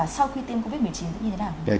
sau khi tiêm covid một mươi chín sẽ như thế nào